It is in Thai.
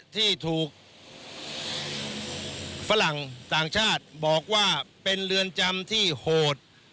ที่ถูกฝรั่งต่างชาติบอกว่าเป็นเรือนจำที่โหด